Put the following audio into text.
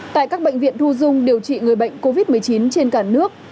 tại các bệnh viện thu dung điều trị người bệnh covid một mươi chín trên cả nước